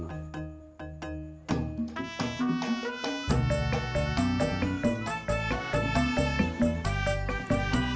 dia juga udah saya hukum